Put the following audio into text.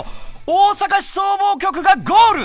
大阪市消防局がゴール。